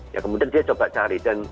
ya kemudian dia coba cari